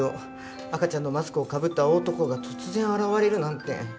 赤ちゃんのマスクをかぶった大男が突然現れるなんて。